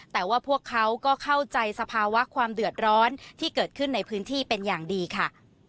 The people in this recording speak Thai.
แต่ว่าพวกเขาก็เข้าใจสภาวะความเดือดร้อนที่เกิดขึ้นในพื้นที่เป็นอย่างดีค่ะ